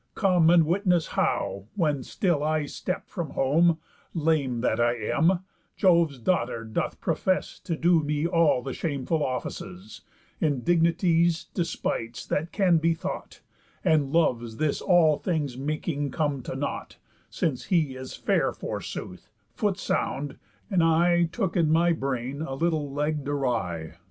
Come, And witness how, when still I step from home, Lame that I am, Jove's daughter doth profess To do me all the shameful offices, Indignities, despites, that can be thought; And loves this all things making come to nought, Since he is fair forsooth, foot sound, and I Took in my brain a little, legg'd awry.